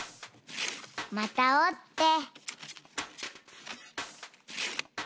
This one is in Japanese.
またおって。